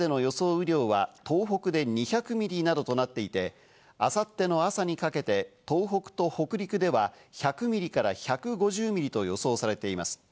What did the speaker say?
雨量は東北で２００ミリなどとなっていて、明後日の朝にかけて東北と北陸では１００ミリから１５０ミリと予想されています。